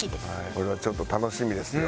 これはちょっと楽しみですよ。